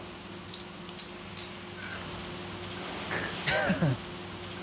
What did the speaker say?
ハハハ